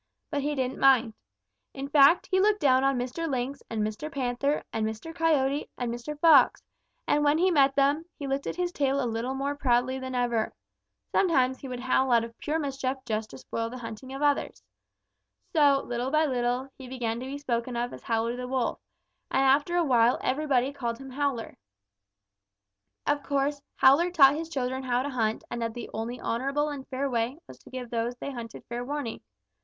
But he didn't mind. In fact, he looked down on Mr. Lynx and Mr. Panther and Mr. Coyote and Mr. Fox, and when he met them, he lifted his tail a little more proudly than ever. Sometimes he would howl out of pure mischief just to spoil the hunting of the others. So, little by little, he began to be spoken of as Howler the Wolf, and after a while everybody called him Howler. "Of course, Howler taught his children how to hunt and that the only honorable and fair way was to give those they hunted fair warning.